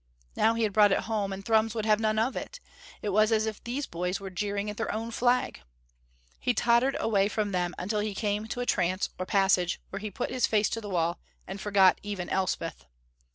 Now he had brought it home, and Thrums would have none of it; it was as if these boys were jeering at their own flag. He tottered away from them until he came to a trance, or passage, where he put his face to the wall and forgot even Elspeth.